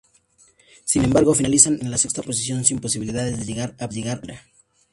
Sin embargo, finalizan en la sexta posición sin posibilidades de llegar a Primera.